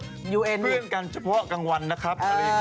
กลับไปอยู่กันกลางวันนะครับอะไรอย่างนี้หรือเปล่า